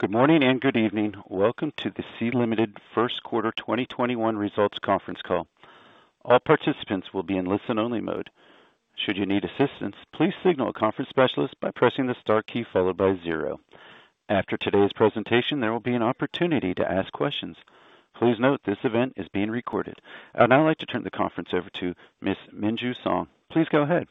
Good morning and good evening. Welcome to the Sea Limited First Quarter 2021 Results Conference Call. All participants will be in listen-only mode. Should you need assistance please signal the conference specialist by pressing star key followed by zero. After today's presentation, there will be an opportunity to ask questions. Please note this event is being recorded. I'd now like to turn the conference over to Ms. Minju Song. Please go ahead.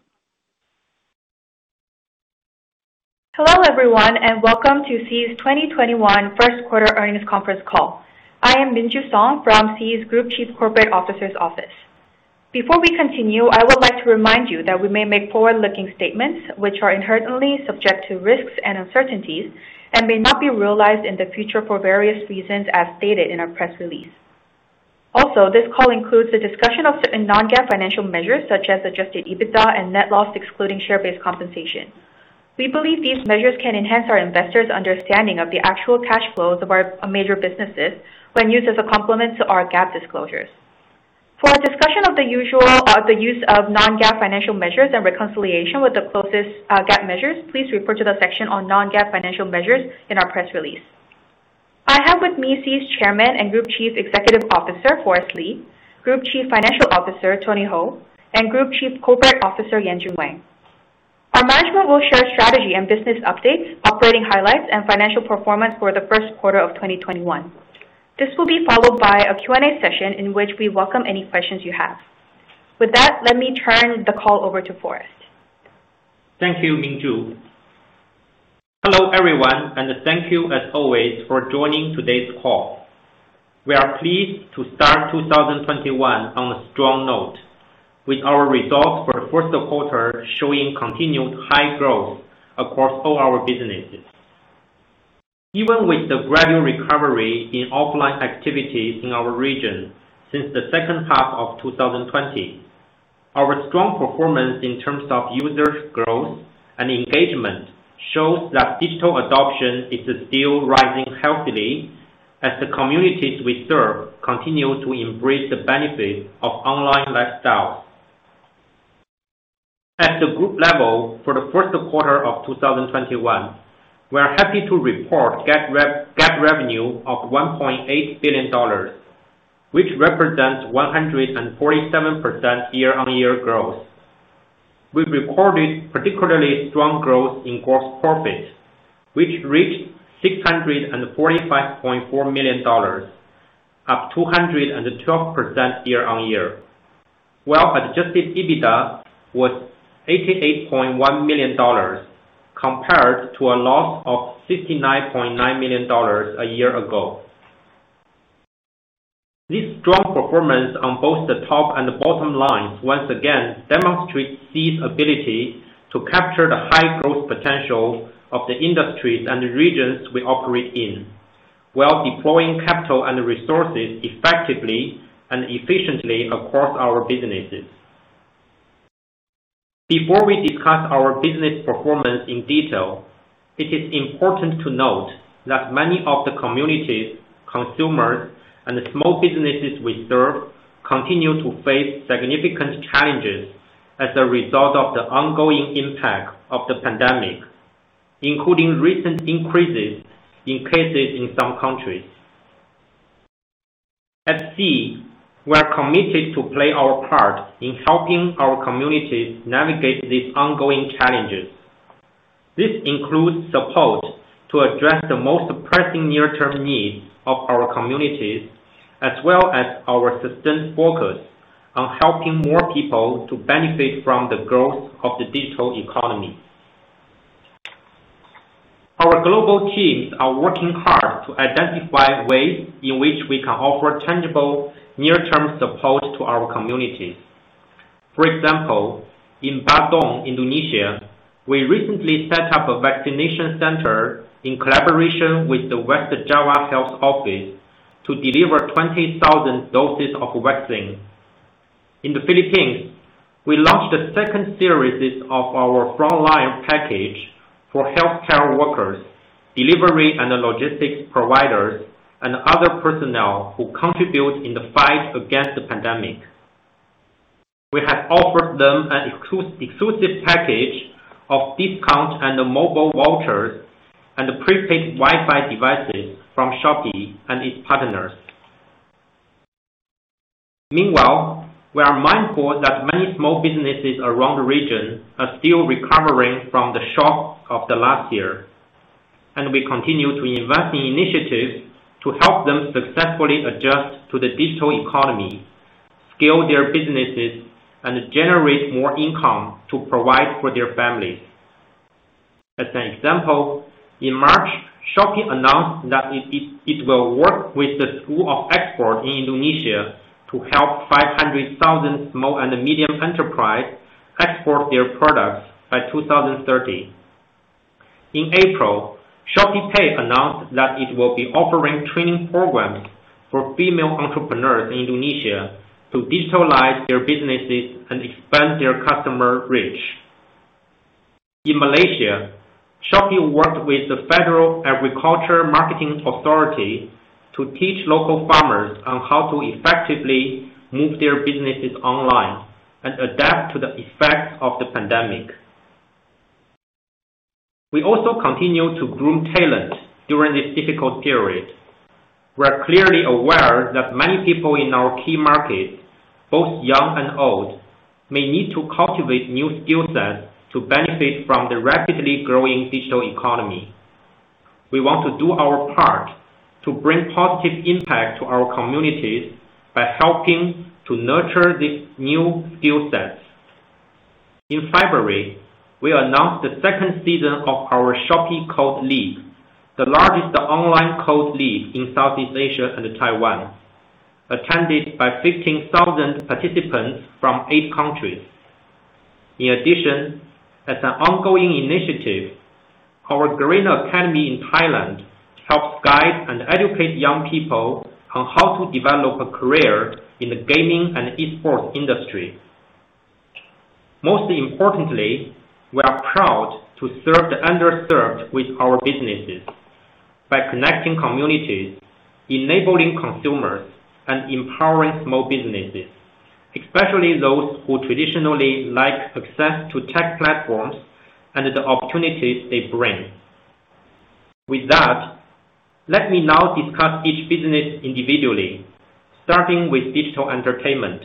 Hello, everyone, and welcome to Sea's 2021 first quarter earnings conference call. I am Minju Song from Sea's Group Chief Corporate Officer's office. Before we continue, I would like to remind you that we may make forward-looking statements, which are inherently subject to risks and uncertainties and may not be realized in the future for various reasons, as stated in our press release. This call includes a discussion of certain non-GAAP financial measures such as adjusted EBITDA and net loss excluding share-based compensation. We believe these measures can enhance our investors' understanding of the actual cash flows of our major businesses when used as a complement to our GAAP disclosures. For a discussion of the use of non-GAAP financial measures and reconciliation with the closest GAAP measures, please refer to the section on non-GAAP financial measures in our press release. I have with me Sea's Chairman and Group Chief Executive Officer, Forrest Li, Group Chief Financial Officer, Tony Hou, and Group Chief Corporate Officer, Yanjun Wang. Our management will share strategy and business updates, operating highlights, and financial performance for the first quarter of 2021. This will be followed by a Q&A session in which we welcome any questions you have. With that, let me turn the call over to Forrest. Thank you, Minju. Hello, everyone, and thank you as always for joining today's call. We are pleased to start 2021 on a strong note with our results for the first quarter showing continued high growth across all our businesses. Even with the gradual recovery in offline activities in our region since the second half of 2020, our strong performance in terms of user growth and engagement shows that digital adoption is still rising healthily as the communities we serve continue to embrace the benefit of online lifestyle. At the group level for the first quarter of 2021, we are happy to report GAAP revenue of $1.8 billion, which represents 147% year-on-year growth. We recorded particularly strong growth in gross profit, which reached $645.4 million, up 212% year-on-year, while adjusted EBITDA was $88.1 million, compared to a loss of $69.9 million a year ago. This strong performance on both the top and the bottom lines once again demonstrates Sea's ability to capture the high growth potential of the industries and regions we operate in while deploying capital and resources effectively and efficiently across our businesses. Before we discuss our business performance in detail, it is important to note that many of the communities, consumers, and small businesses we serve continue to face significant challenges as a result of the ongoing impact of the pandemic, including recent increases in cases in some countries. At Sea, we are committed to play our part in helping our communities navigate these ongoing challenges. This includes support to address the most pressing near-term needs of our communities, as well as our sustained focus on helping more people to benefit from the growth of the digital economy. Our global teams are working hard to identify ways in which we can offer tangible near-term support to our communities. For example, in Bandung, Indonesia, we recently set up a vaccination center in collaboration with the West Java Health Office to deliver 20,000 doses of vaccine. In the Philippines, we launched the second series of our Frontline package for healthcare workers, delivery and logistics providers, and other personnel who contribute in the fight against the pandemic. We have offered them an exclusive package of discounts and mobile vouchers and prepaid Wi-Fi devices from Shopee and its partners. Meanwhile, we are mindful that many small businesses around the region are still recovering from the shock of the last year, and we continue to invest in initiatives to help them successfully adjust to the digital economy, scale their businesses, and generate more income to provide for their families. As an example, in March, Shopee announced that it will work with the School of Export in Indonesia to help 500,000 small and medium enterprises export their products by 2030. In April, ShopeePay announced that it will be offering training programs for female entrepreneurs in Indonesia to digitalize their businesses and expand their customer reach. In Malaysia, Shopee worked with the Federal Agricultural Marketing Authority to teach local farmers on how to effectively move their businesses online and adapt to the effects of the pandemic. We also continue to groom talent during this difficult period. We're clearly aware that many people in our key markets, both young and old, may need to cultivate new skill sets to benefit from the rapidly growing digital economy. We want to do our part to bring positive impact to our communities by helping to nurture these new skill sets. In February, we announced the second season of our Shopee Code League, the largest online code league in Southeast Asia and Taiwan, attended by 15,000 participants from eight countries. In addition, as an ongoing initiative, our Garena Academy in Thailand helps guide and educate young people on how to develop a career in the gaming and esports industry. Most importantly, we are proud to serve the underserved with our businesses by connecting communities, enabling consumers, and empowering small businesses, especially those who traditionally lack access to tech platforms and the opportunities they bring. With that, let me now discuss each business individually, starting with digital entertainment.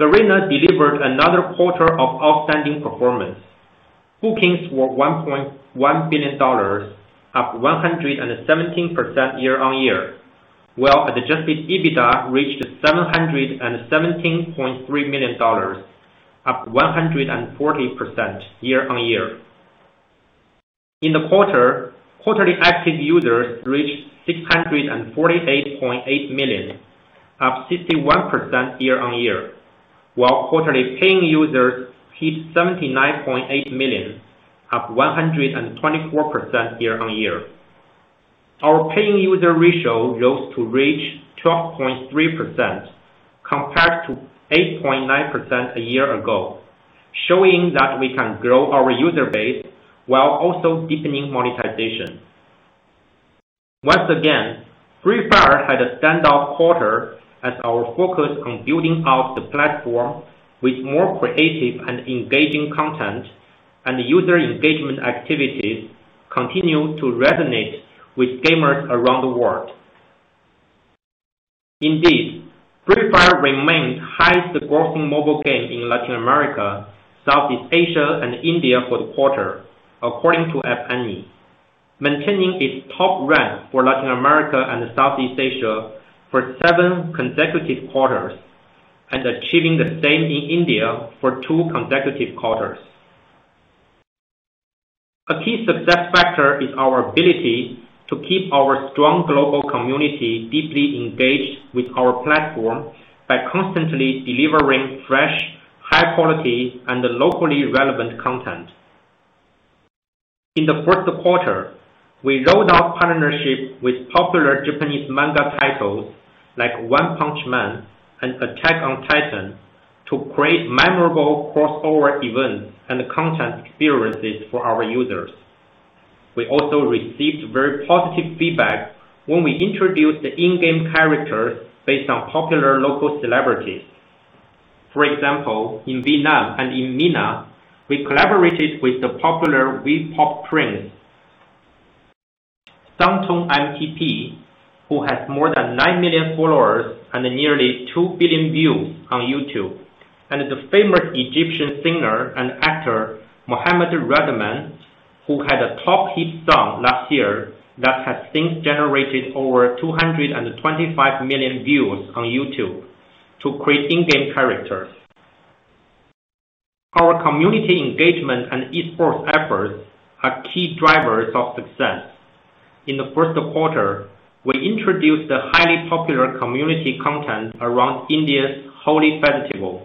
Garena delivered another quarter of outstanding performance. Bookings were $1.1 billion, up 117% year-on-year, while adjusted EBITDA reached $717.3 million, up 140% year-on-year. In the quarter, quarterly active users reached 648.8 million, up 61% year-on-year, while quarterly paying users hit 79.8 million, up 124% year-on-year. Our paying user ratio rose to reach 12.3%, compared to 8.9% a year ago, showing that we can grow our user base while also deepening monetization. Once again, Free Fire had a standout quarter as our focus on building out the platform with more creative and engaging content and user engagement activities continued to resonate with gamers around the world. Indeed, Free Fire remained highest-grossing mobile game in Latin America, Southeast Asia, and India for the quarter, according to App Annie, maintaining its top rank for Latin America and Southeast Asia for seven consecutive quarters and achieving the same in India for two consecutive quarters. A key success factor is our ability to keep our strong global community deeply engaged with our platform by constantly delivering fresh, high quality, and locally relevant content. In the first quarter, we rolled out partnerships with popular Japanese manga titles like, One-Punch Man and Attack on Titan to create memorable crossover events and content experiences for our users. We also received very positive feedback when we introduced the in-game characters based on popular local celebrities. For example, in Vietnam and in MENA, we collaborated with the popular V-pop prince, Sơn Tùng M-TP, who has more than nine million followers and nearly two billion views on YouTube, and the famous Egyptian singer and actor, Mohamed Ramadan, who had a top hit song last year that has since generated over 225 million views on YouTube to create in-game characters. Our community engagement and esports efforts are key drivers of success. In the first quarter, we introduced the highly popular community content around India's Holi festival.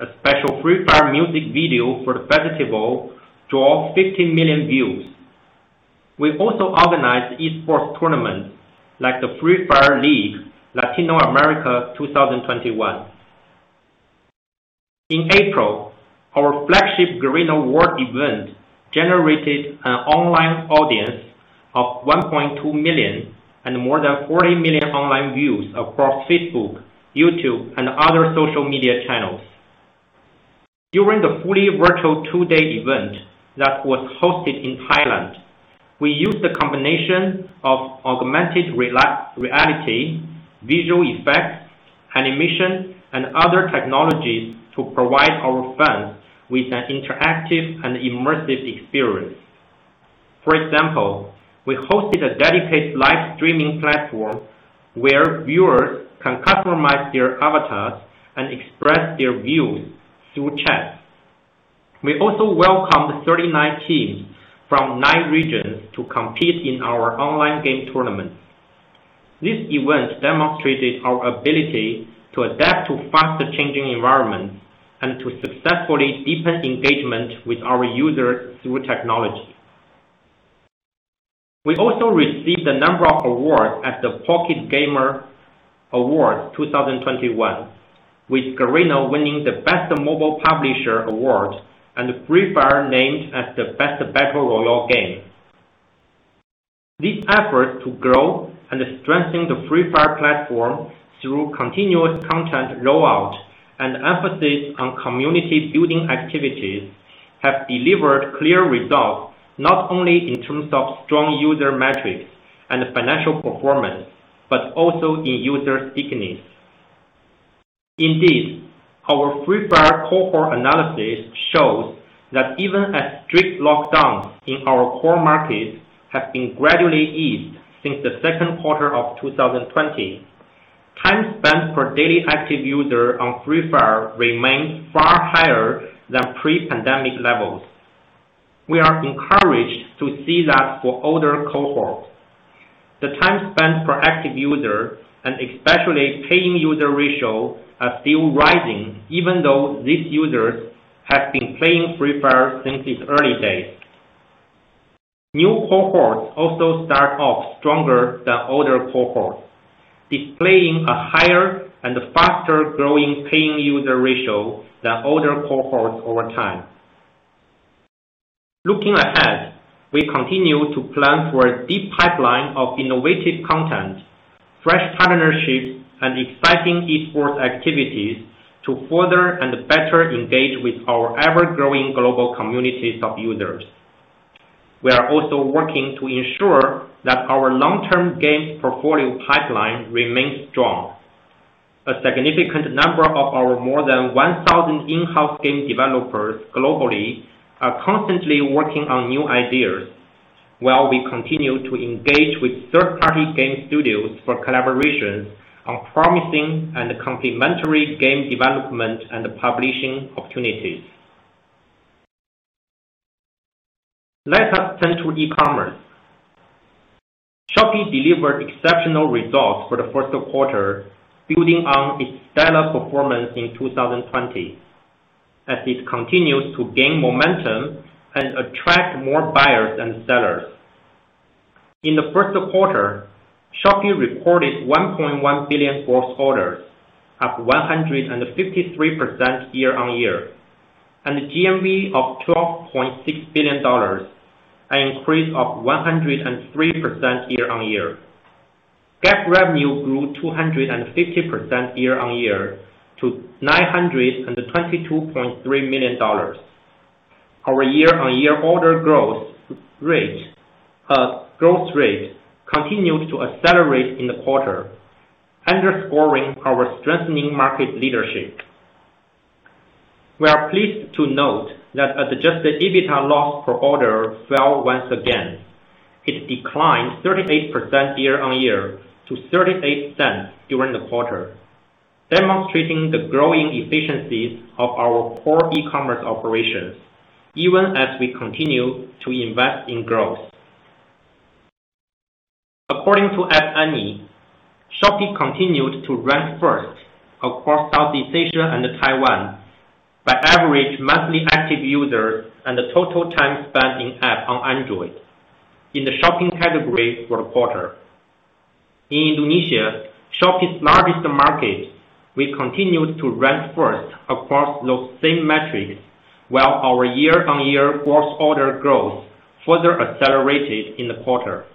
A special Free Fire music video for the festival drew 15 million views. We also organized esports tournaments like the Free Fire League Latinoamerica 2021. In April, our flagship Garena World event generated an online audience of 1.2 million and more than 40 million online views across Facebook, YouTube, and other social media channels. During the fully virtual two-day event that was hosted in Thailand, we used a combination of augmented reality, visual effects, animation, and other technologies to provide our fans with an interactive and immersive experience. For example, we hosted a dedicated live streaming platform where viewers can customize their avatars and express their views through chat. We also welcomed 39 teams from nine regions to compete in our online game tournaments. This event demonstrated our ability to adapt to fast-changing environments and to successfully deepen engagement with our users through technology. We also received a number of awards at the Pocket Gamer Awards 2021, with Garena winning the Best Mobile Publisher award and Free Fire named as the Best Battle Royale game. These efforts to grow and strengthen the Free Fire platform through continuous content rollout and emphasis on community-building activities have delivered clear results, not only in terms of strong user metrics and financial performance, but also in user stickiness. Indeed, our Free Fire cohort analysis shows that even as strict lockdowns in our core markets have been gradually eased since the second quarter of 2020, time spent per Daily Active User on Free Fire remains far higher than pre-pandemic levels. We are encouraged to see that for older cohorts, the time spent per active user and especially paying user ratio are still rising even though these users have been playing Free Fire since its early days. New cohorts also start off stronger than older cohorts, displaying a higher and faster-growing paying user ratio than older cohorts over time. Looking ahead, we continue to plan for a deep pipeline of innovative content, fresh partnerships, and exciting esports activities to further and better engage with our ever-growing global community of users. We are also working to ensure that our long-term games portfolio pipeline remains strong. A significant number of our more than 1,000 in-house game developers globally are constantly working on new ideas, while we continue to engage with third-party game studios for collaborations on promising and complementary game development and publishing opportunities. Let us turn to e-commerce. Shopee delivered exceptional results for the first quarter, building on its stellar performance in 2020, as it continues to gain momentum and attract more buyers and sellers. In the first quarter, Shopee recorded 1.1 billion gross orders, up 153% year-on-year, and GMV of $12.6 billion, an increase of 103% year-on-year. GAAP revenue grew 250% year-on-year to $922.3 million. Our year-on-year order growth rate continues to accelerate in the quarter, underscoring our strengthening market leadership. We are pleased to note that adjusted EBITDA loss per order fell once again. It declined 38% year-on-year to $0.38 during the quarter, demonstrating the growing efficiencies of our core e-commerce operations, even as we continue to invest in growth. According to App Annie, Shopee continued to rank first across Southeast Asia and Taiwan by average Monthly Active Users and total time spent in-app on Android in the shopping category for the quarter. In Indonesia, Shopee's largest market, we continued to rank first across those same metrics, while our year-on-year gross order growth further accelerated in the quarter.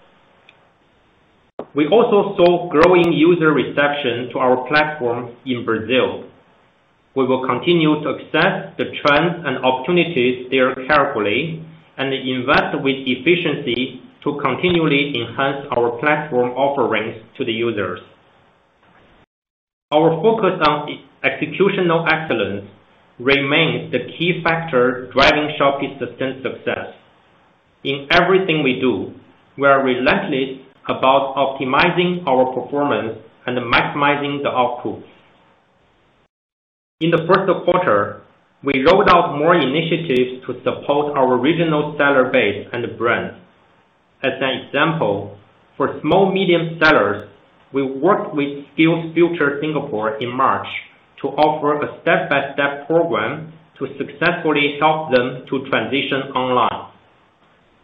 We also saw growing user reception to our platforms in Brazil. We will continue to assess the trends and opportunities there carefully and invest with efficiency to continually enhance our platform offerings to the users. Our focus on executional excellence remains the key factor driving Shopee's sustained success. In everything we do, we are relentless about optimizing our performance and maximizing the outputs. In the first quarter, we rolled out more initiatives to support our regional seller base and brands. As an example, for small-medium sellers, we worked with SkillsFuture Singapore in March to offer a step-by-step program to successfully help them to transition online.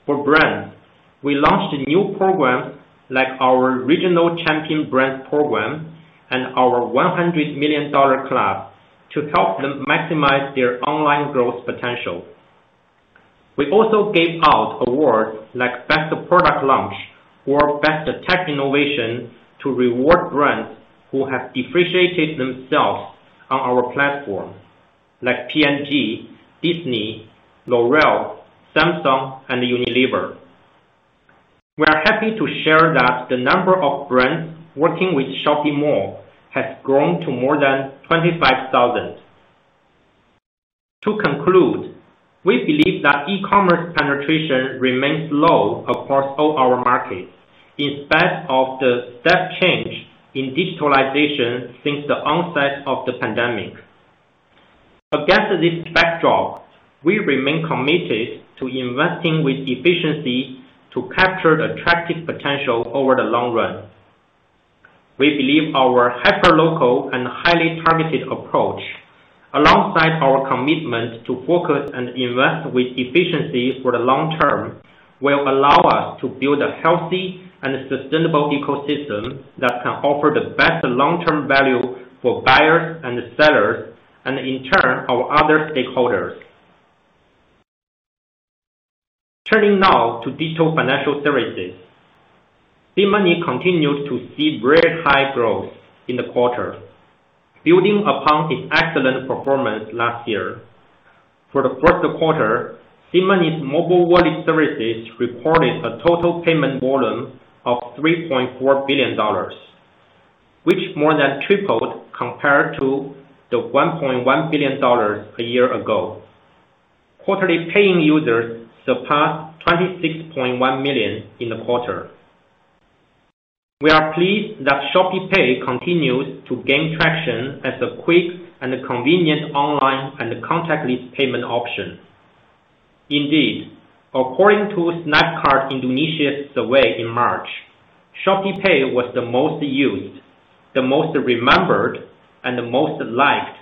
For brands, we launched new programs like our Regional Champion Brands Programme and our $100 Million Club to help them maximize their online growth potential. We also gave out awards like Best Product Launch or Best Tech Innovation to reward brands who have differentiated themselves on our platform, like P&G, Disney, L'Oréal, Samsung, and Unilever. We are happy to share that the number of brands working with Shopee Mall has grown to more than 25,000. To conclude, we believe that e-commerce penetration remains low across all our markets in spite of the step change in digitalization since the onset of the pandemic. Against this backdrop, we remain committed to investing with efficiency to capture the attractive potential over the long run. We believe our hyperlocal and highly targeted approach alongside our commitment to focus and invest with efficiency for the long term will allow us to build a healthy and sustainable ecosystem that can offer the best long-term value for buyers and sellers, and in turn, our other stakeholders. Turning now to digital financial services. SeaMoney continues to see very high growth in the quarter, building upon its excellent performance last year. For the first quarter, SeaMoney's mobile wallet services reported a total payment volume of $3.4 billion, which more than tripled compared to the $1.1 billion a year ago. Quarterly paying users surpassed 26.1 million in the quarter. We are pleased that ShopeePay continues to gain traction as a quick and convenient online and contactless payment option. Indeed, according to Snapcart Indonesia's survey in March, ShopeePay was the most used, the most remembered, and the most liked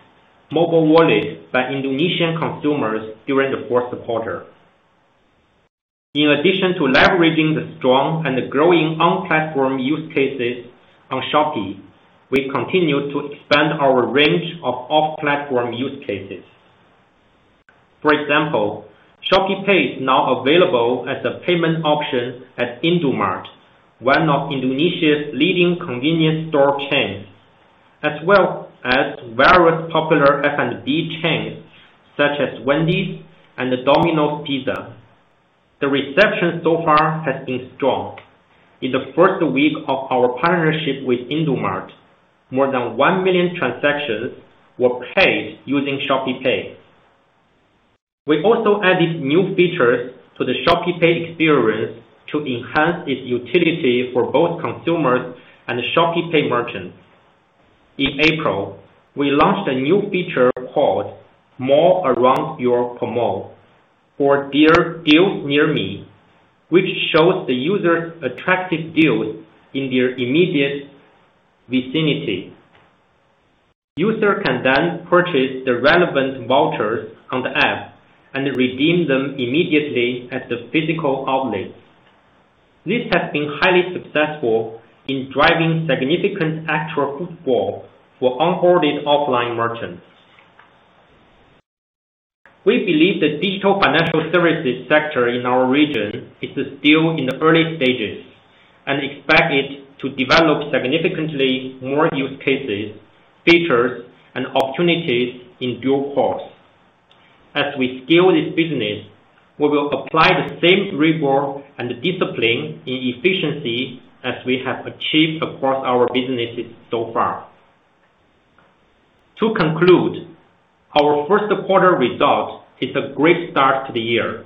mobile wallet by Indonesian consumers during the first quarter. In addition to leveraging the strong and growing on-platform use cases on Shopee, we continue to expand our range of off-platform use cases. For example, ShopeePay is now available as a payment option at Indomaret, one of Indonesia's leading convenience store chains, as well as various popular F&B chains such as Wendy's and Domino's Pizza. The reception so far has been strong. In the first week of our partnership with Indomaret, more than 1 million transactions were paid using ShopeePay. We've also added new features to the ShopeePay experience to enhance its utility for both consumers and ShopeePay merchants. In April, we launched a new feature called More Around Your Promo, or Deals Near Me, which shows the users attractive deals in their immediate vicinity. User can then purchase the relevant vouchers on the app and redeem them immediately at the physical outlets. This has been highly successful in driving significant extra footfall for onboarded offline merchants. We believe the digital financial services sector in our region is still in the early stages and expect it to develop significantly more use cases, features, and opportunities in due course. As we scale this business, we will apply the same rigor and discipline in efficiency as we have achieved across our businesses so far. To conclude, our first quarter result is a great start to the year.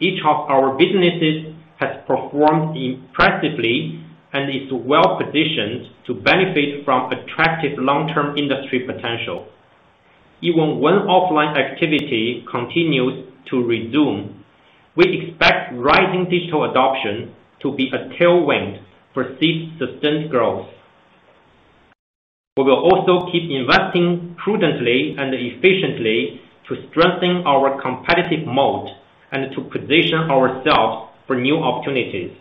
Each of our businesses has performed impressively and is well-positioned to benefit from attractive long-term industry potential. Even when offline activity continues to resume, we expect rising digital adoption to be a tailwind for Sea's sustained growth. We will also keep investing prudently and efficiently to strengthen our competitive moat and to position ourselves for new opportunities.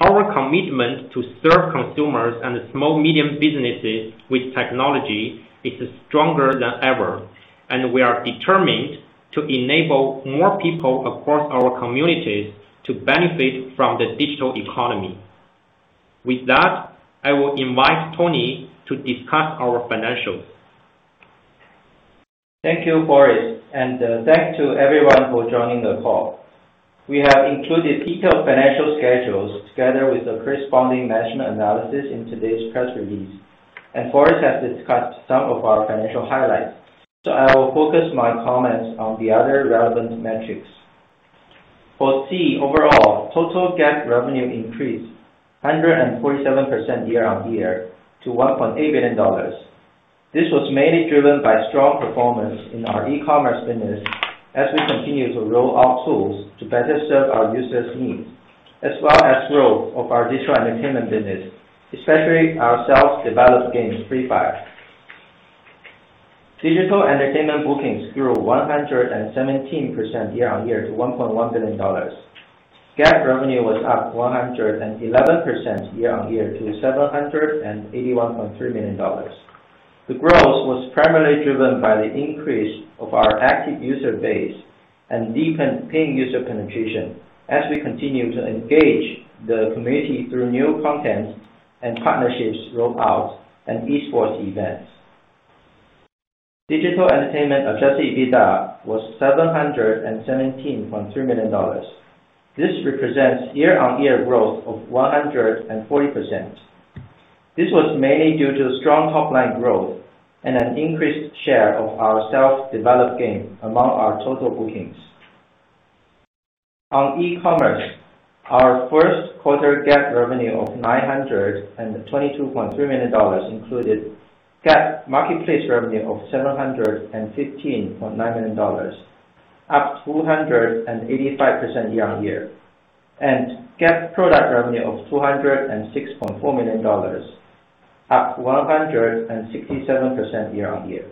Our commitment to serve consumers and small-medium businesses with technology is stronger than ever, and we are determined to enable more people across our communities to benefit from the digital economy. With that, I will invite Tony to discuss our financials. Thank you Forrest. Thanks to everyone for joining the call. We have included detailed financial schedules together with the corresponding management analysis in today's press release. Forrest has discussed some of our financial highlights. I will focus my comments on the other relevant metrics. For Sea overall, total GAAP revenue increased 147% year-on-year to $1.8 billion. This was mainly driven by strong performance in our e-commerce business as we continue to roll out tools to better serve our users' needs, as well as growth of our digital entertainment business, especially our self-developed games Free Fire. Digital entertainment bookings grew 117% year-on-year to $1.1 billion. GAAP revenue was up 111% year-on-year to $781.3 million. The growth was primarily driven by the increase of our active user base and paying user penetration as we continue to engage the community through new content and partnerships roll-out and esports events. Digital entertainment adjusted EBITDA was $717.3 million. This represents year-on-year growth of 140%. This was mainly due to strong top-line growth and an increased share of our self-developed games among our total bookings. On e-commerce, our first quarter GAAP revenue of $922.3 million included GAAP marketplace revenue of $715.9 million. Up 485% year-on-year. GAAP product revenue of $206.4 million, up 167% year-on-year.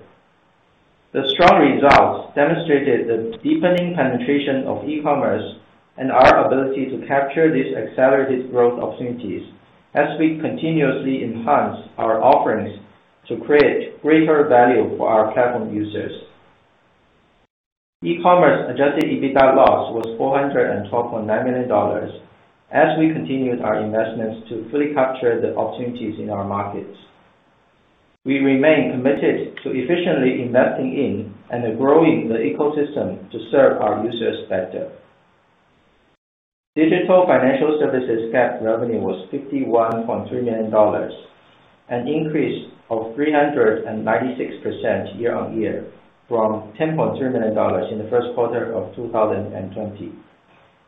The strong results demonstrated the deepening penetration of e-commerce and our ability to capture these accelerated growth opportunities as we continuously enhance our offerings to create greater value for our platform users. E-commerce adjusted EBITDA loss was $412.9 million as we continued our investments to fully capture the opportunities in our markets. We remain committed to efficiently investing in and growing the ecosystem to serve our users better. Digital financial services GAAP revenue was $51.3 million, an increase of 396% year-on-year from $10.3 million in the first quarter of 2020.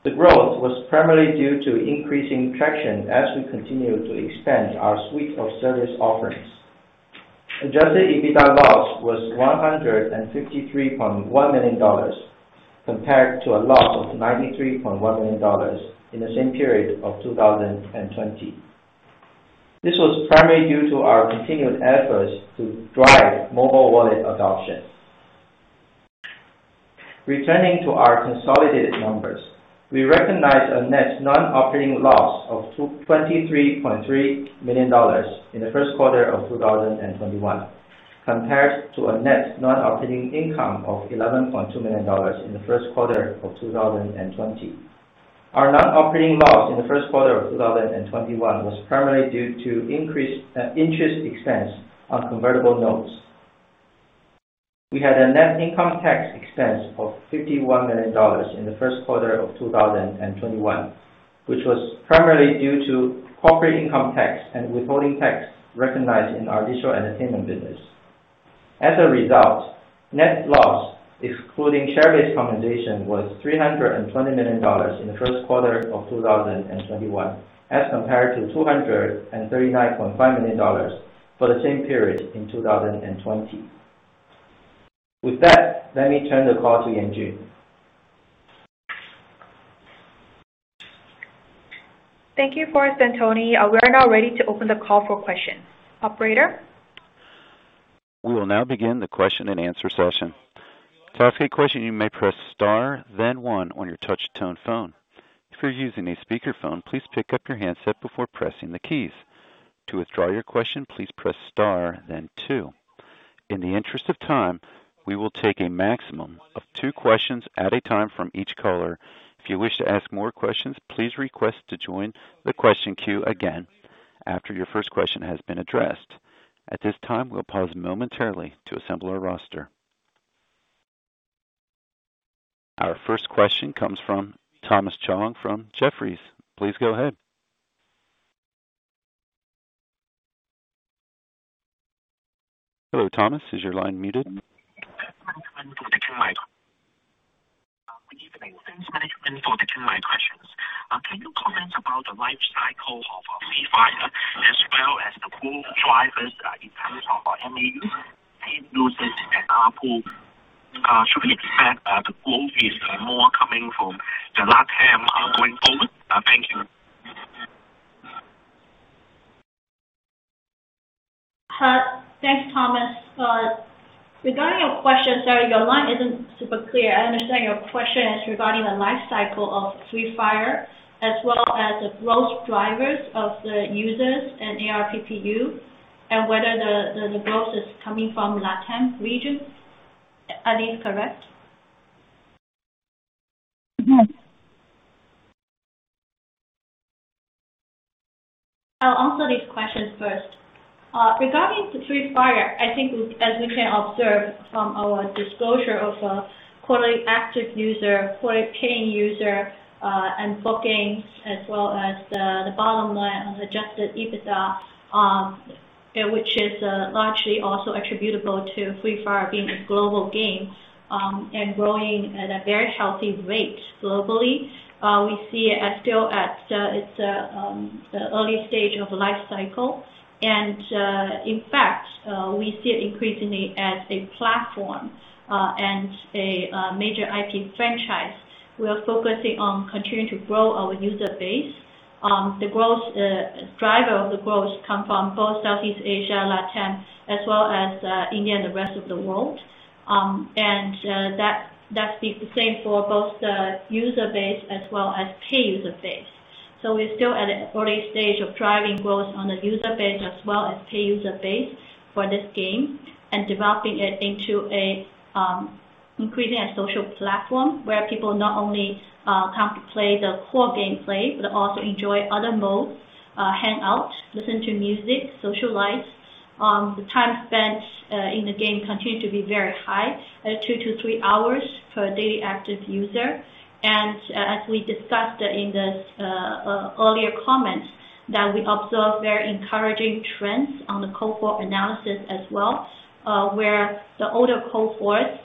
The growth was primarily due to increasing traction as we continue to expand our suite of service offerings. Adjusted EBITDA loss was $153.1 million, compared to a loss of $93.1 million in the same period of 2020. This was primarily due to our continued efforts to drive mobile wallet adoption. Returning to our consolidated numbers, we recognized a net non-operating loss of $23.3 million in the first quarter of 2021 compared to a net non-operating income of $11.2 million in the first quarter of 2020. Our non-operating loss in the first quarter of 2021 was primarily due to increased interest expense on convertible notes. We had a net income tax expense of $51 million in the first quarter of 2021, which was primarily due to corporate income tax and withholding tax recognized in our digital entertainment business. As a result, net loss excluding share-based compensation was $320 million in the first quarter of 2021 as compared to $239.5 million for the same period in 2020. With that, let me turn the call to Yanjun. Thank you, Forrest and Tony. We are now ready to open the call for questions. Operator? We will now begin the question and answer session, to ask a question you may press star then one on your touch-tone phone. If you are using a speaker phone please rise-up your hand before pressing the keys. To withdraw your question please press star then two. In the interest of time we will take a maximum of two question at a time from each call. If you wish to ask more questions please request to join the question queue again after your first question has been addressed. At this time we will pause momentarily to assemble our roster. Our first question comes from Thomas Chong from Jefferies. Please go ahead. Hello, Thomas, is your line muted? Good afternoon. Can you comment about the life cycle of Free Fire as well as the core drivers in terms of our MAU paid users and ARPU? Should we expect the growth is more coming from LATAM going forward? Thank you. Thanks, Thomas. Regarding your question, sorry, your line isn't super clear. I understand your question is regarding the life cycle of Free Fire as well as the growth drivers of the users and ARPPU and whether the growth is coming from LATAM regions. Are these correct? Yes. I'll answer these questions first. Regarding to Free Fire, I think as we can observe from our disclosure of quarterly active user, quarterly paying user, and bookings as well as the bottom line on adjusted EBITDA, which is largely also attributable to Free Fire being a global game and growing at a very healthy rate globally. We see it still at the early stage of life cycle. In fact, we see it increasingly as a platform and a major IP franchise. We are focusing on continuing to grow our user base. The driver of the growth come from both Southeast Asia, LATAM, as well as India and the rest of the world. That'd be the same for both the user base as well as paid user base. We're still at an early stage of driving growth on the user base as well as paid user base for this game and developing it into increasing a social platform where people not only come to play the core gameplay but also enjoy other modes, hang out, listen to music, socialize. Time spent in the game continue to be very high at two to three hours per day active user. As we discussed in the earlier comments that we observe very encouraging trends on the cohort analysis as well, where the older cohorts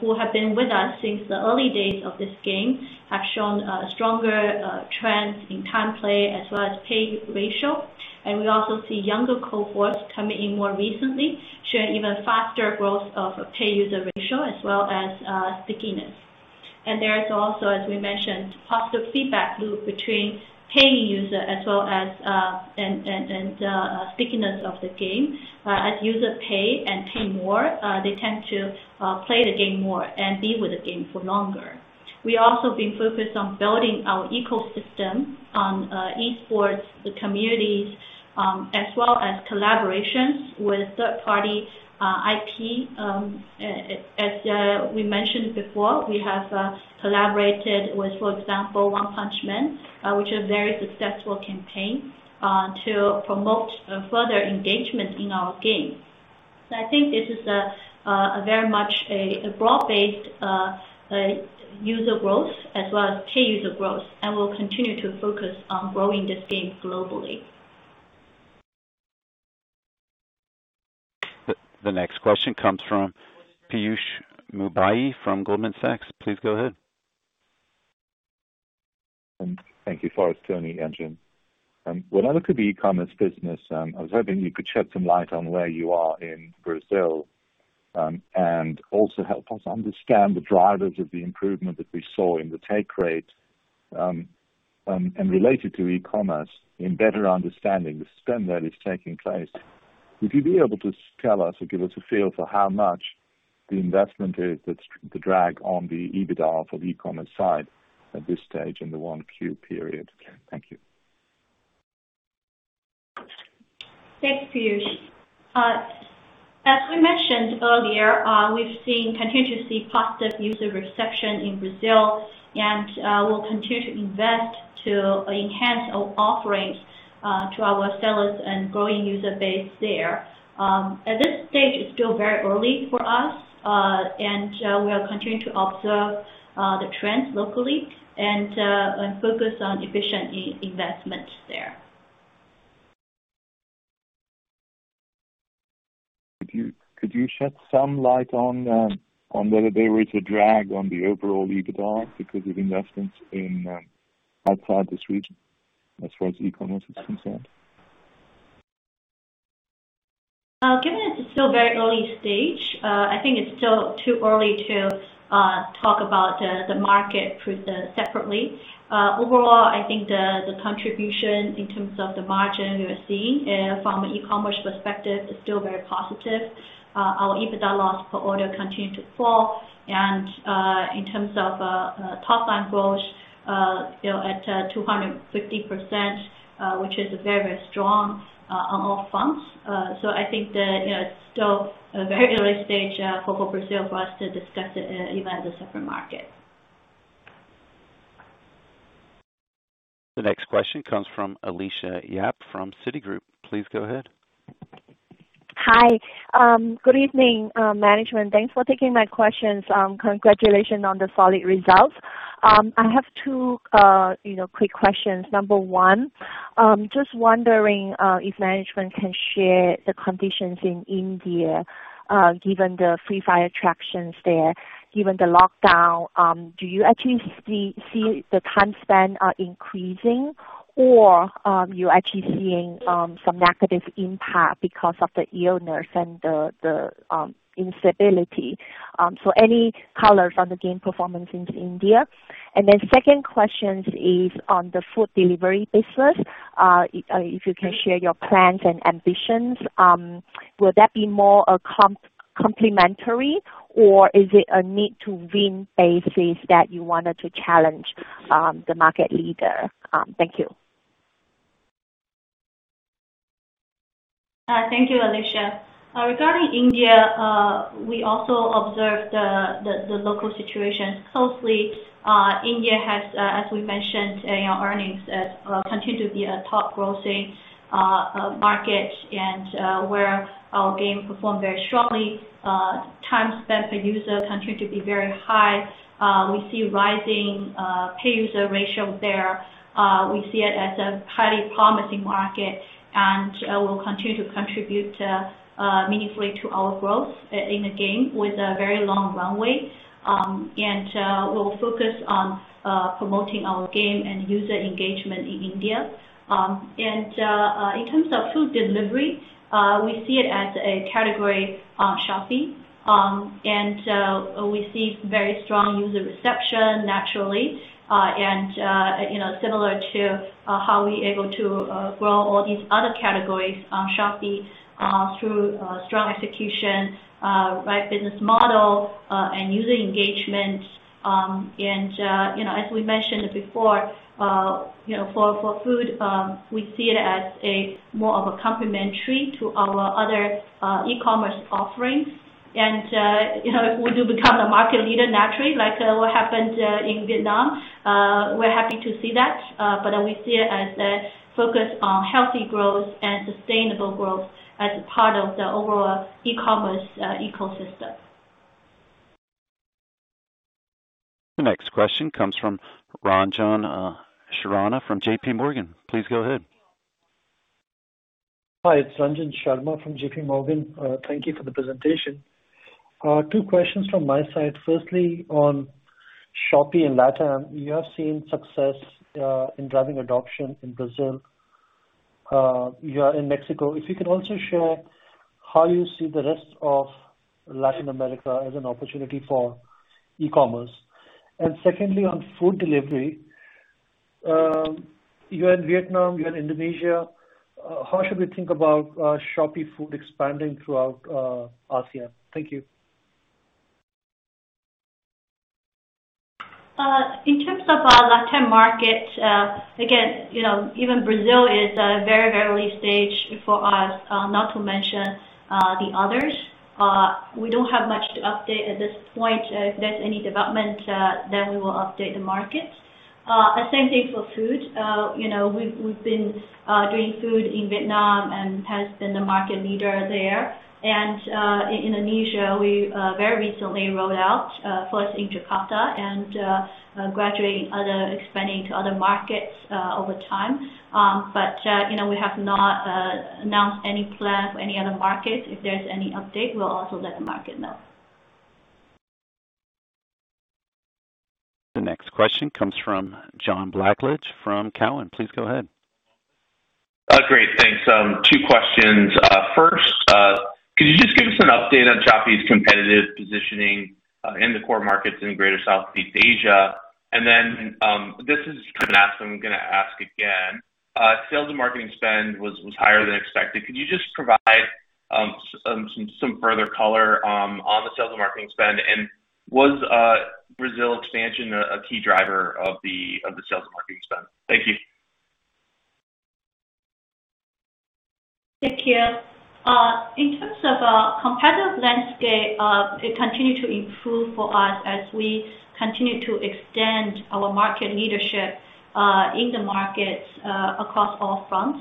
who have been with us since the early days of this game have shown stronger trends in time play as well as paid ratio. We also see younger cohorts coming in more recently showing even faster growth of paid user ratio as well as stickiness. There's also, as we mentioned, positive feedback loop between paying user as well as the stickiness of the game. As user pay and pay more, they tend to play the game more and be with the game for longer. We also been focused on building our ecosystem on esports, the communities, as well as collaborations with third-party IP. As we mentioned before, we have collaborated with, for example, One-Punch Man, which is a very successful campaign to promote further engagement in our game. I think this is very much a broad-based user growth as well as key user growth, and we'll continue to focus on growing the game globally. The next question comes from Piyush Mubayi from Goldman Sachs. Please go ahead. Thank you. Forrest Li. When I look at the e-commerce business, I was hoping you could shed some light on where you are in Brazil, and also help us understand the drivers of the improvement that we saw in the take rate, and related to e-commerce in better understanding the spend that is taking place. Would you be able to tell us or give us a feel for how much the investment is that's the drag on the EBITDA for the e-commerce side at this stage in the 1Q period? Thank you. Thanks, Piyush. As we mentioned earlier, we've seen continuously positive user reception in Brazil, and we'll continue to invest to enhance our offerings to our sellers and growing user base there. At this stage, it's still very early for us, and we are continuing to observe the trends locally and focus on efficient investment there. Could you shed some light on whether there is a drag on the overall EBITDA because of investments in outside this region as far as e-commerce is concerned? Given it's still very early stage, I think it's still too early to talk about the market separately. Overall, I think the contribution in terms of the margin we are seeing from an e-commerce perspective is still very positive. Our EBITDA loss per order continue to fall, and in terms of top-line growth, still at 250%, which is a very strong on all fronts. I think that it's still a very early stage for Brazil for us to discuss it as a separate market. The next question comes from Alicia Yap from Citigroup. Please go ahead. Hi. Good evening, management. Thanks for taking my questions. Congratulations on the solid results. I have two quick questions. Number 1, just wondering if management can share the conditions in India, given the Free Fire tractions there, given the lockdown. Do you actually see the time spend are increasing or you're actually seeing some negative impact because of the illness and the instability? Any colors on the game performance into India? Second question is on the food delivery business. If you can share your plans and ambitions. Will that be more complementary or is it a need-to-win basis that you wanted to challenge the market leader? Thank you. Thank you, Alicia. Regarding India, we also observe the local situation closely. India has, as we mentioned in our earnings, continued to be a top-growing market and where our game performed very strongly. Time spent in user continued to be very high. We see rising pay user ratio there. We see it as a highly promising market. Will continue to contribute meaningfully to our growth in the game with a very long runway. We'll focus on promoting our game and user engagement in India. In terms of food delivery, we see it as a category on Shopee, and we see very strong user reception naturally, and similar to how we are able to grow all these other categories on Shopee through strong execution, right business model, and user engagement. As we mentioned before, for food, we see it as more of a complementary to our other e-commerce offerings. If we do become a market leader naturally, like what happened in Vietnam, we're happy to see that. We see it as a focus on healthy growth and sustainable growth as a part of the overall e-commerce ecosystem. Next question comes from Ranjan Sharma from JPMorgan. Please go ahead. Hi, it's Ranjan Sharma from JPMorgan. Thank you for the presentation. Two questions from my side. Firstly, on Shopee and Latin, we are seeing success in driving adoption in Brazil. You are in Mexico. If you can also share how you see the rest of Latin America as an opportunity for e-commerce. Secondly, on food delivery. You are in Vietnam, you are in Indonesia. How should we think about ShopeeFood expanding throughout Asia? Thank you. In terms of LatAm markets, again, even Brazil is very early stage for us, not to mention the others. We don't have much to update at this point. If there's any development, then we will update the markets. Same thing for food. We've been doing food in Vietnam and hence been the market leader there. In Indonesia, we very recently rolled out, first in Jakarta, and gradually expanding to other markets over time. We have not announced any plans for any other markets. If there's any update, we'll also let the market know. The next question comes from John Blackledge from Cowen. Please go ahead. Great. Thanks. Two questions. First, could you just give us an update on Shopee's competitive positioning in the core markets in greater Southeast Asia? This is just going to ask what I'm going to ask again. Sales and marketing spend was higher than expected. Could you just provide some further color on the sales and marketing spend? Was Brazil expansion a key driver of the sales and marketing spend? Thank you. Thank you. In terms of competitive landscape, it continued to improve for us as we continued to extend our market leadership in the markets across all fronts,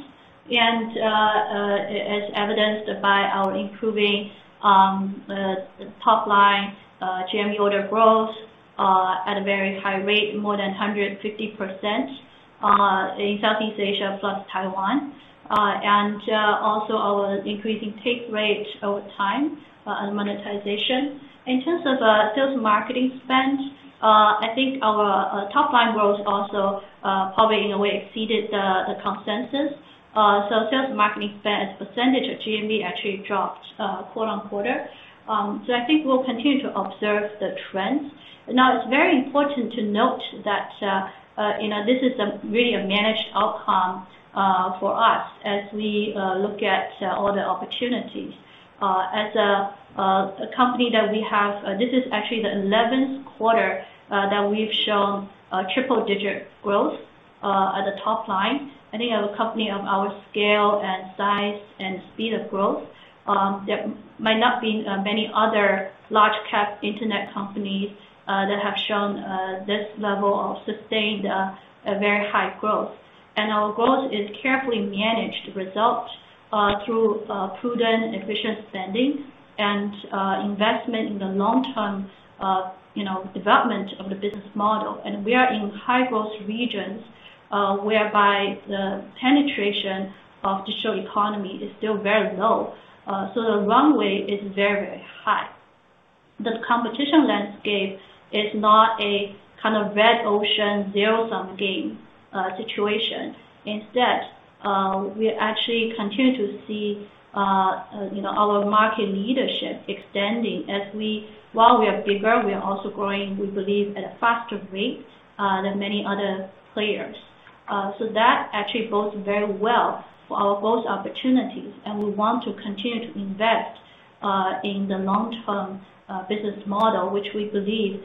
as evidenced by our improving top line GMV order growth at a very high rate of more than 150% in Southeast Asia plus Taiwan. Also our increasing take rate over time and monetization. In terms of sales marketing spend, I think our top line growth also probably in a way exceeded the consensus. Sales marketing spend as a percentage of GMV actually dropped quarter-on-quarter. I think we'll continue to observe the trends. Now, it's very important to note that this is really a managed outcome for us as we look at all the opportunities. As a company, this is actually the 11th quarter that we've shown triple-digit growth at the top line. I think a company of our scale and size and speed of growth, there might not be many other large cap internet companies that have shown this level of sustained, very high growth. Our growth is carefully managed to result through prudent and efficient spending and investment in the long-term development of the business model. We are in high-growth regions, whereby the penetration of digital economy is still very low. The runway is very high. The competition landscape is not a kind of red ocean, zero-sum game situation. Instead, we actually continue to see our market leadership extending as we while we are bigger, we are also growing, we believe, at faster rates than many other players. That actually bodes very well for our growth opportunities, and we want to continue to invest in the long-term business model, which we believe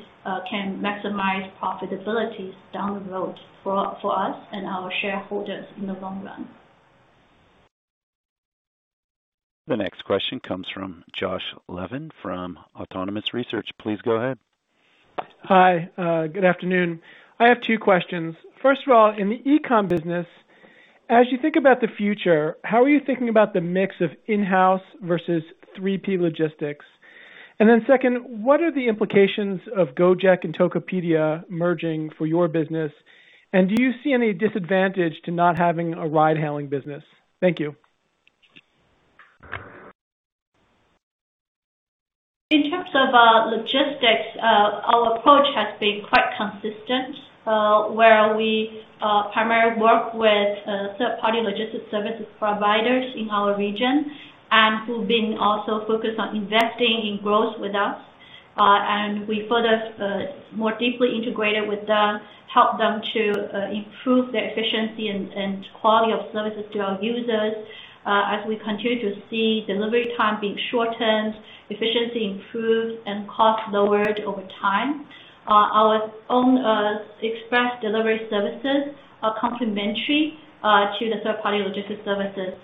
can maximize profitability down the road for us and our shareholders in the long run. The next question comes from Josh Levin from Autonomous Research. Please go ahead. Hi. Good afternoon. I have two questions. First of all, in the e-com business, as you think about the future, how are you thinking about the mix of in-house versus 3P logistics? Second, what are the implications of Gojek and Tokopedia merging for your business? Do you see any disadvantage to not having a ride-hailing business? Thank you. In terms of logistics, our approach has been quite consistent, where we primarily work with third-party logistics services providers in our region and who've been also focused on investing in growth with us. We further more deeply integrated with them, help them to improve their efficiency and quality of services to our users as we continue to see delivery time being shortened, efficiency improved, and cost lowered over time. Our own express delivery services are complementary to the third-party logistics services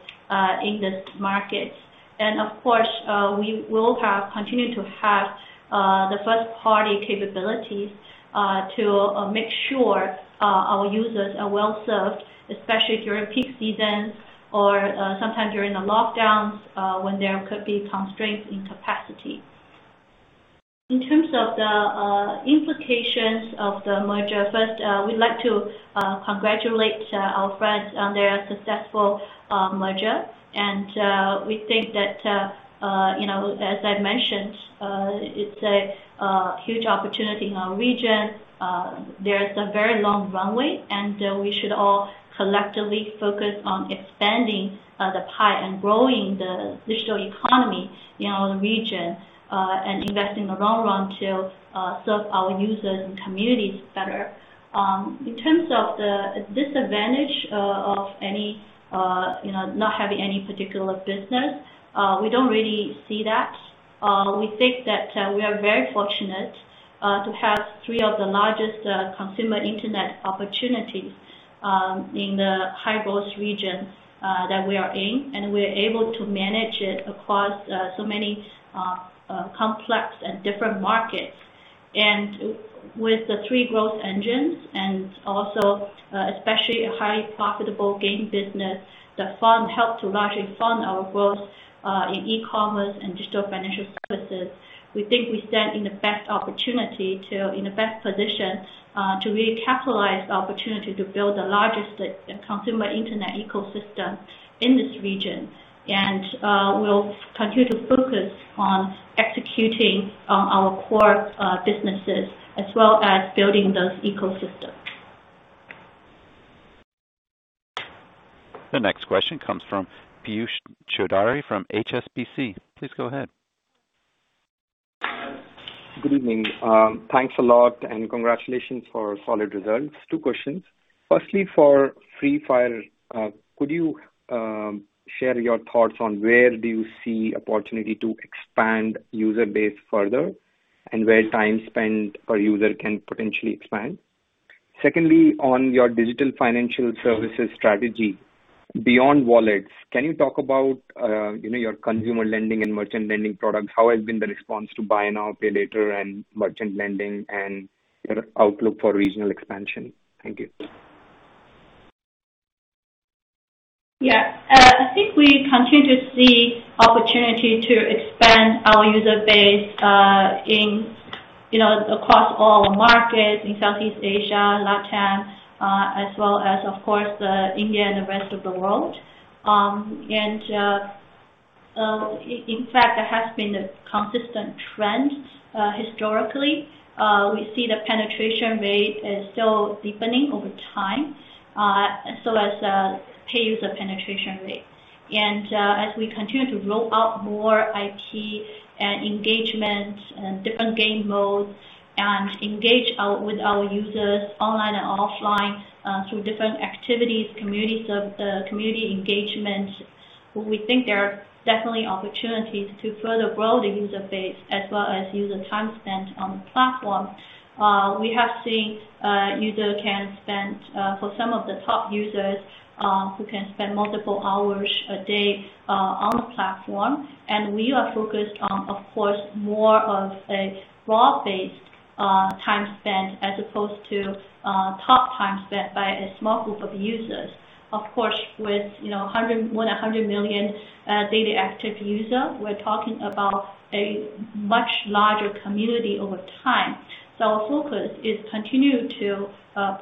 in this market. Of course, we will continue to have the first-party capabilities to make sure our users are well served, especially during peak seasons or sometimes during the lockdowns when there could be constraints in capacity. In terms of the implications of the merger, first, we'd like to congratulate our friends on their successful merger. We think that, as I mentioned, it's a huge opportunity in our region. There is a very long runway, and we should all collectively focus on expanding the pie and growing the digital economy in our region, and investing in the long run to serve our users and communities better. In terms of the disadvantage of not having any particular business, we don't really see that. We think that we are very fortunate to have three of the largest consumer internet opportunities in the high-growth region that we are in, and we're able to manage it across so many complex and different markets. With the three growth engines and also especially the highly profitable game business, the fund helped to largely fund our growth in e-commerce and digital financial services. We think we stand in the best opportunity, in the best position to really capitalize the opportunity to build the largest consumer internet ecosystem in this region. We'll continue to focus on executing our core businesses as well as building those ecosystems. The next question comes from Piyush Choudhary from HSBC. Please go ahead. Good evening. Thanks a lot, and congratulations for solid results. Two questions. Firstly, for Free Fire, could you share your thoughts on where do you see opportunity to expand user base further, and where time spent per user can potentially expand? Secondly, on your digital financial services strategy, beyond wallets, can you talk about your consumer lending and merchant lending product? How has been the response to Buy Now, Pay Later and merchant lending and your outlook for regional expansion? Thank you. Yeah. I think we continue to see opportunity to expand our user base across all markets in Southeast Asia, LatAm, as well as, of course, India and the rest of the world. In fact, that has been a consistent trend historically. We see the penetration rate is still deepening over time, and so has the paid user penetration rate. As we continue to roll out more IP and engagement and different game modes and engage with our users online and offline through different activities, community engagement, we think there are definitely opportunities to further grow the user base as well as user time spent on the platform. We have seen users can spend, for some of the top users, who can spend multiple hours a day on the platform. We are focused on, of course, more of a broad-based time spent as opposed to top time spent by a small group of users. Of course, with more than 100 million daily active users, we're talking about a much larger community over time. Our focus is continue to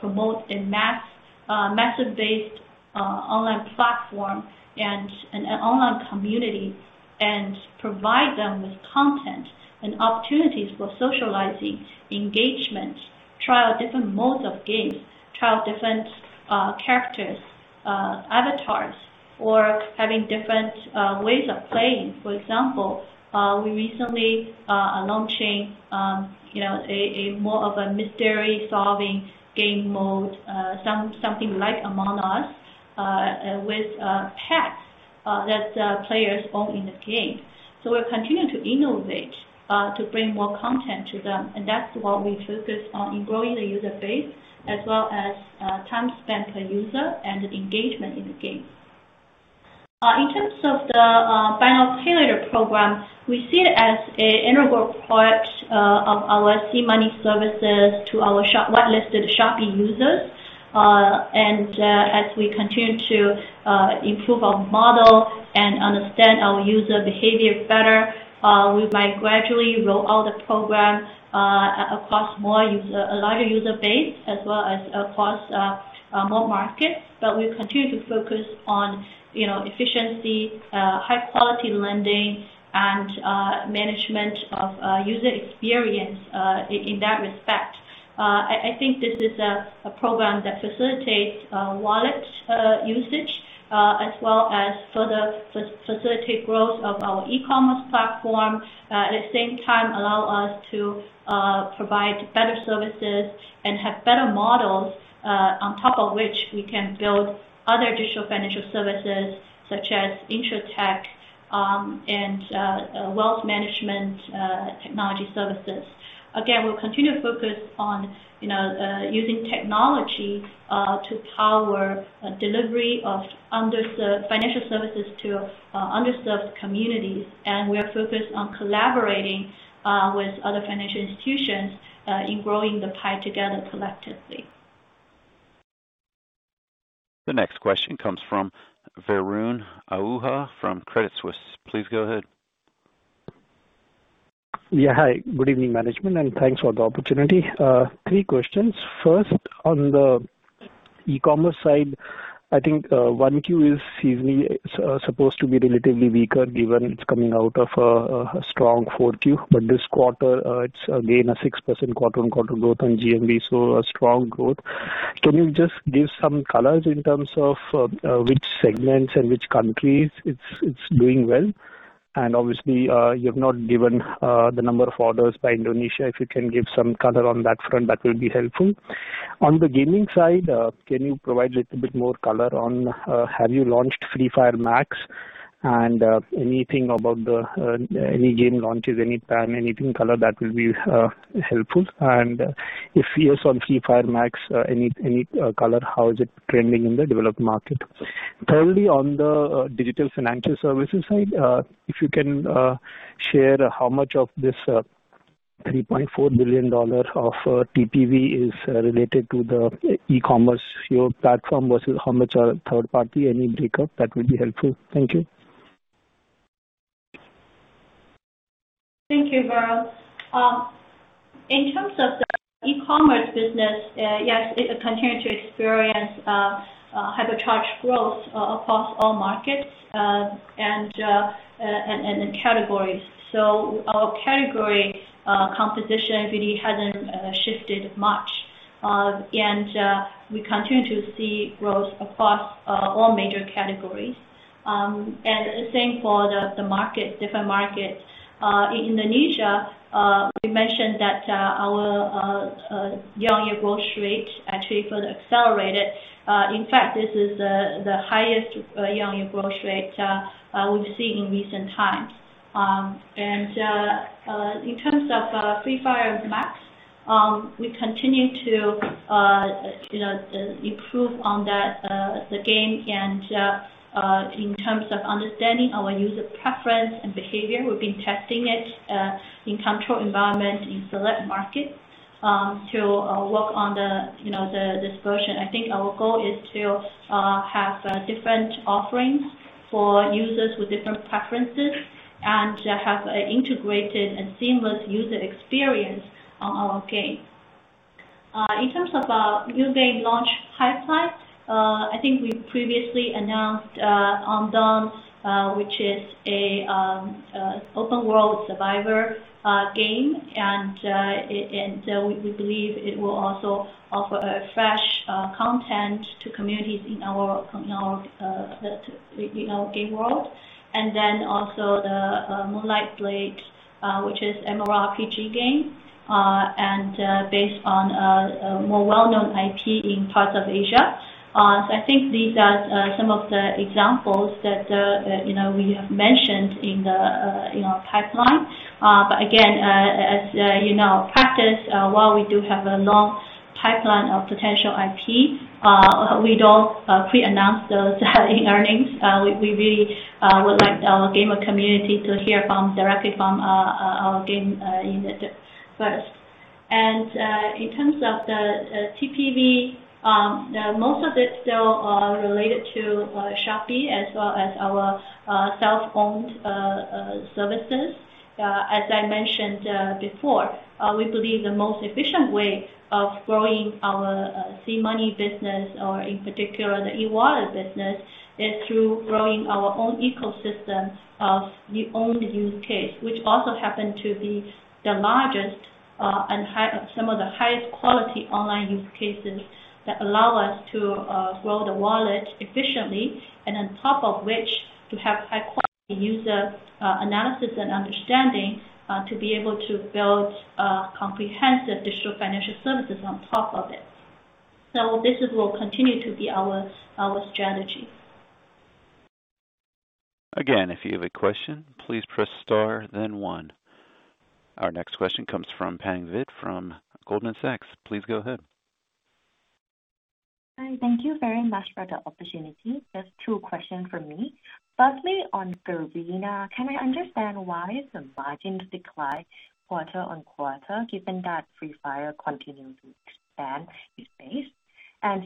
promote a massive base online platform and an online community, and provide them with content and opportunities for socializing, engagement, try out different modes of games, try out different characters, avatars, or having different ways of playing. For example, we recently launched a more of a mystery-solving game mode something like Among Us, with pets that players own in the game. We're continuing to innovate to bring more content to them, and that's what we focus on in growing the user base, as well as time spent per user and engagement in the game. In terms of the Buy Now, Pay Later program, we see it as an integral part of our SeaMoney services to our whitelisted Shopee users. As we continue to improve our model and understand our user behaviors better, we might gradually roll out the program across a larger user base as well as across more markets. We continue to focus on efficiency, high-quality lending, and management of user experience in that respect. I think this is a program that facilitates wallet usage as well as facilitate growth of our e-commerce platform. At the same time, allow us to provide better services and have better models, on top of which we can build other digital financial services such as Insurtech and wealth management technology services. Again, we will continue to focus on using technology to power delivery of financial services to underserved communities. We are focused on collaborating with other financial institutions in growing the pie together collectively. The next question comes from Varun Ahuja from Credit Suisse. Please go ahead. Hi, good evening, management, and thanks for the opportunity. Three questions. First, on the e-commerce side, I think 1Q is usually supposed to be relatively weaker given it's coming out of a strong 4Q. This quarter, it's again a 6% quarter-on-quarter growth on GMV, a strong growth. Can you just give some color in terms of which segments and which countries it's doing well? Obviously, you have not given the number of orders by Indonesia. If you can give some color on that front, that will be helpful. On the gaming side, can you provide a little bit more color on, have you launched Free Fire Max? Anything about any game launches, any plan, anything color that will be helpful. If yes on Free Fire Max, any color, how is it trending in the developed market? On the digital financial services side, if you can share how much of this $3.4 billion of TPV is related to the e-commerce platform versus how much are third party, any breakup that would be helpful. Thank you. Thank you, Varun. In terms of the e-commerce business, yes, it continues to experience hypercharge growth across all markets and in categories. Our category composition really hasn't shifted much, and we continue to see growth across all major categories. Same for the different markets. In Indonesia, we mentioned that our year-on-year growth rate actually further accelerated. In fact, this is the highest year-on-year growth rate we've seen in recent times. In terms of Free Fire Max, we continue to improve on the game and in terms of understanding our user preference and behavior. We've been testing it in controlled environments in select markets to work on this version. I think our goal is to have different offerings for users with different preferences and to have an integrated and seamless user experience on our game. In terms of a new game launch pipeline, I think we previously announced Undawn, which is an open world survivor game. We believe it will also offer fresh content to communities in our game world. Then also Moonlight Blade, which is MMORPG game, and based on a more well-known IP in parts of Asia. I think these are some of the examples that we have mentioned in our pipeline. Again, as you know, practice, while we do have a long pipeline of potential IP, we don't pre-announce those in earnings. We would like our gamer community to hear directly from our game leaders first. In terms of the TPV, most of it still related to Shopee as well as our self-owned services. As I mentioned before, we believe the most efficient way of growing our SeaMoney business or in particular the e-wallet business is through growing our own ecosystem of the owned use case, which also happen to be the largest and some of the highest quality online use cases that allow us to grow the wallet efficiently, and on top of which we have high quality user analysis and understanding to be able to build comprehensive digital financial services on top of it. This will continue to be our strategy. Again, if you have a question, please press star then one. Our next question comes from Pang Vittayaamnuaykoon from Goldman Sachs. Please go ahead. Thank you very much for the opportunity. Just two questions from me. Firstly, on Garena, can we understand why the margin declined quarter-on-quarter given that Free Fire continues to expand its space?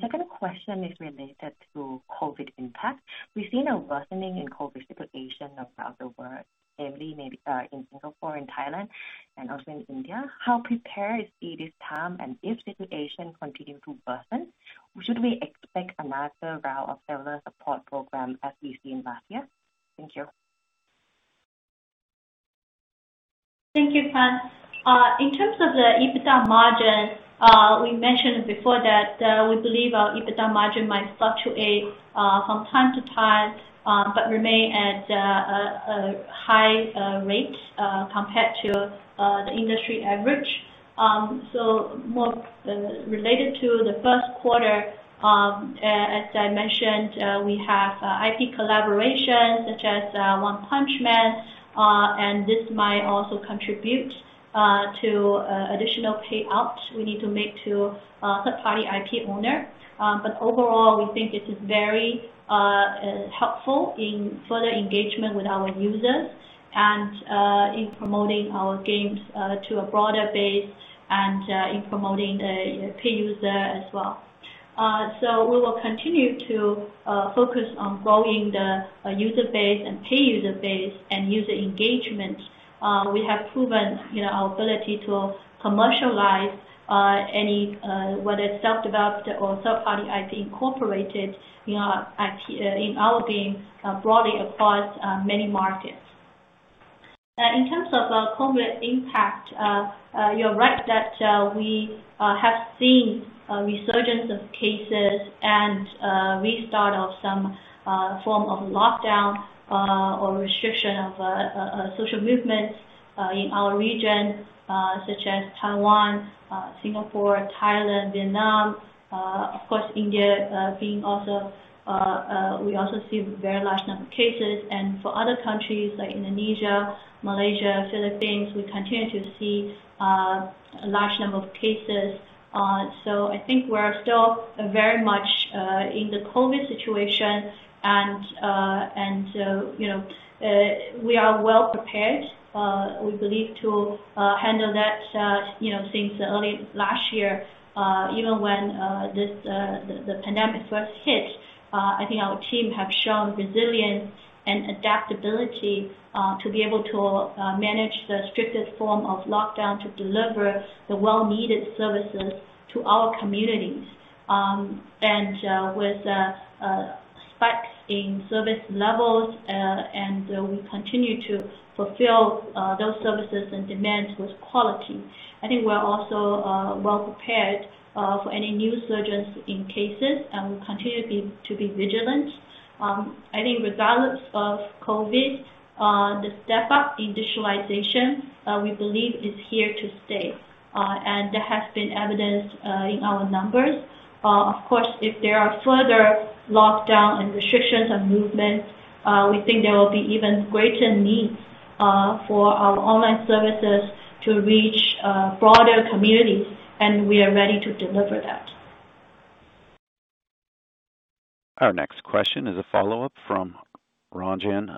Second question is related to COVID impact. We've seen a worsening in COVID situation around the world, heavily in Singapore and Thailand and also in India. How prepared is Sea this time? If situation continues to worsen, should we expect a massive round of seller support program as we've seen last year? Thank you. Thank you, Pang. In terms of the EBITDA margin, we mentioned before that we believe our EBITDA margin might fluctuate from time to time, but remain at a high rate compared to the industry average. More related to the first quarter, as I mentioned, we have IP collaboration such as One-Punch Man, and this might also contribute to additional payouts we need to make to third-party IP owner. Overall, we think this is veryIn further engagement with our users and in promoting our games to a broader base and in promoting the pay user as well. We will continue to focus on growing the user base and pay user base and user engagement. We have proven our ability to commercialize any, whether self-developed or third-party IP incorporated in our games broadly across many markets. In terms of COVID impact, you're right that we have seen a resurgence of cases and restart of some form of lockdown or restriction of social movements in our region such as Taiwan, Singapore, Thailand, Vietnam, of course, India, we also see a very large number of cases. For other countries like Indonesia, Malaysia, Philippines, we continue to see a large number of cases. I think we're still very much in the COVID situation, and we are well-prepared, we believe, to handle that since early last year even when the pandemic first hit. I think our team have shown resilience and adaptability to be able to manage the strictest form of lockdown to deliver the well-needed services to our communities. With a spike in service levels, and we continue to fulfill those services and demands with quality. I think we're also well-prepared for any new surges in cases. We'll continue to be vigilant. I think regardless of COVID, the step-up in digitalization, we believe is here to stay. There has been evidence in our numbers. Of course, if there are further lockdown and restrictions on movement, we think there will be even greater need for our online services to reach broader communities, and we are ready to deliver that. Our next question is a follow-up from Ranjan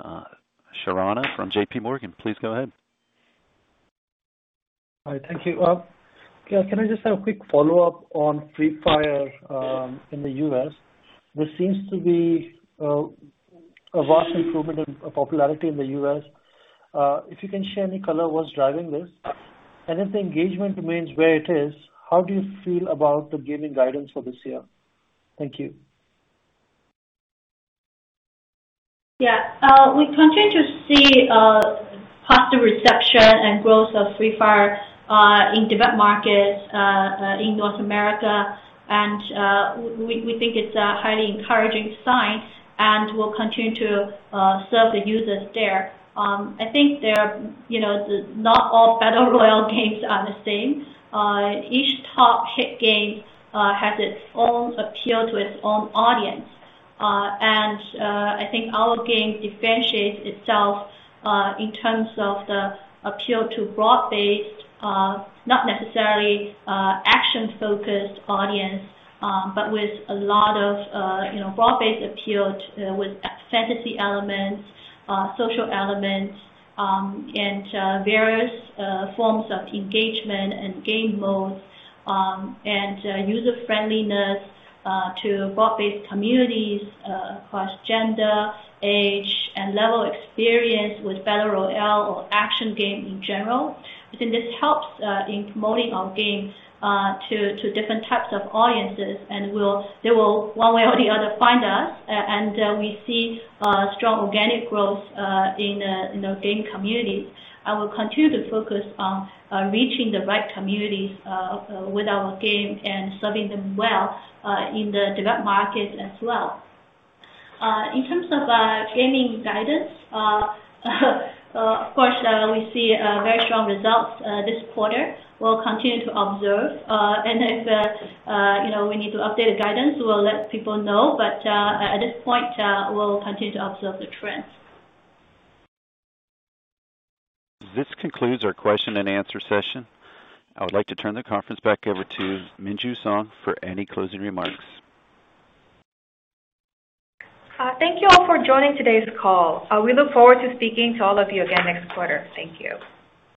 Sharma from JPMorgan. Please go ahead. Thank you. Can I just have a quick follow-up on Free Fire in the U.S.? There seems to be a vast improvement in popularity in the U.S. If you can share any color what's driving this? If the engagement remains where it is, how do you feel about the gaming guidance for this year? Thank you. Yeah. We continue to see positive reception and growth of Free Fire in developed markets in North America, and we think it's a highly encouraging sign, and we'll continue to serve the users there. I think not all battle royale games are the same. Each top hit game has its own appeal to its own audience. I think our game differentiates itself in terms of the appeal to broad-based, not necessarily action-focused audience, but with a lot of broad-based appeal with fantasy elements, social elements, and various forms of engagement and game modes, and user-friendliness to broad-based communities across gender, age, and level of experience with battle royale or action game in general. I think this helps in promoting our games to different types of audiences. They will one way or the other find us. We see strong organic growth in the game community. We will continue to focus on reaching the right communities with our game and serving them well in the developed markets as well. In terms of gaming guidance, of course, we see very strong results this quarter. We will continue to observe. If we need to update guidance, we will let people know. At this point, we will continue to observe the trends. This concludes our question and answer session. I would like to turn the conference back over to Minju Song for any closing remarks. Thank you all for joining today's call. We look forward to speaking to all of you again next quarter. Thank you.